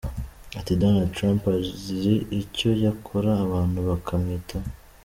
Ati” Donald Trump azi icyo yakora abantu bakamwitaho.